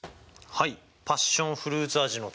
はい！